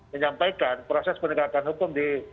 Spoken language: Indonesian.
menyampaikan proses penegakan hukum di